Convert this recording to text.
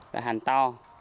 là hành to